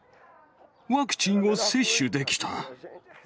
ワクチンを接種できた。